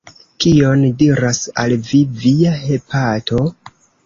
Kion diras al Vi Via hepato?